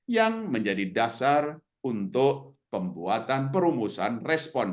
yang menjadi dasar untuk pembuatan perumusan respon